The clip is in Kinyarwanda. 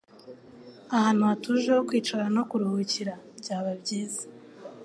Ahantu hatuje ho kwicara no kuruhukira byaba byiza